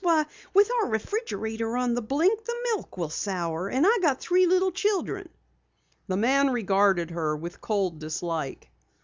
Why, with our refrigerator on the blink, the milk will sour. And I got three little children." The man regarded her with cold dislike.